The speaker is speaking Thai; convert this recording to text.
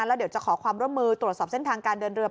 แล้วเดี๋ยวจะขอความร่วมมือตรวจสอบเส้นทางการเดินเรือ